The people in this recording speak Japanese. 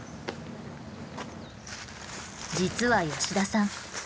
実は吉田さん